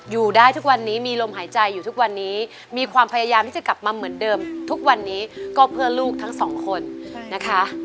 อยู่ได้ทุกวันนี้มีลมหายใจอยู่ทุกวันนี้มีความพยายามที่จะกลับมาเหมือนเดิมทุกวันนี้ก็เพื่อลูกทั้งสองคนนะคะ